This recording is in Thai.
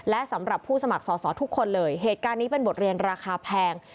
และสำหรับผู้สมัครสอสอทุกคนเลยเหตุการณ์นี้เป็นบทเรียนราคาแพง